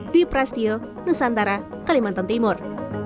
dwi prasetyo nusantara kalimantan timur